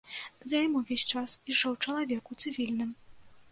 За ім увесь час ішоў чалавек у цывільным.